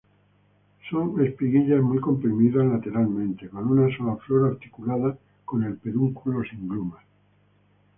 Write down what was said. Espiguillas muy comprimidas lateralmente, con una sola flor articulada con el pedúnculo, sin glumas.